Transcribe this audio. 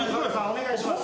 お願いします。